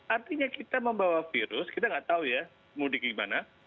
artinya kita membawa virus kita nggak tahu ya mudik gimana